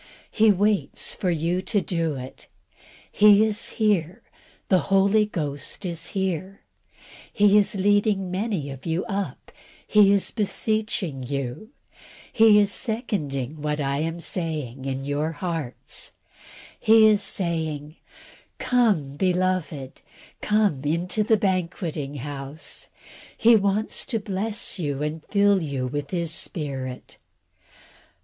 He waits to do it; He is here. The Holy Ghost is here: He is leading many of you up; He is beseeching you; He is seconding what I am saying, in your hearts; He is saying, "Come, beloved; come into the banqueting house;" He wants to bless you and fill you with His Spirit.